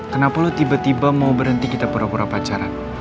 kenapa lo tiba tiba mau berhenti kita pura pura pacaran